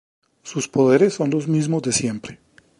Sus poderes son los mismos de siempre.